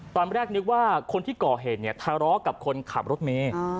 ตอนแรกนึกว่าคนที่ก่อเหตุเนี่ยทะเลาะกับคนขับรถเมย์